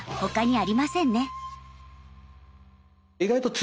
あ。